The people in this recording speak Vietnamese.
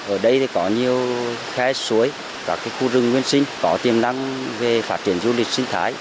ở đây có nhiều khe suối các khu rừng nguyên sinh có tiềm năng về phát triển du lịch sinh thái